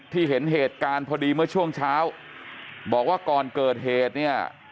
เห็นเหตุการณ์พอดีเมื่อช่วงเช้าบอกว่าก่อนเกิดเหตุเนี่ย